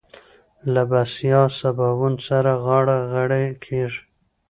له بسيا سباوون سره غاړه غړۍ کېږي.